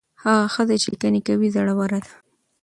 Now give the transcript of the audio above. هغه ښځه چې لیکنې کوي زړوره ده.